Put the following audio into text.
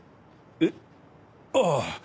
えっああ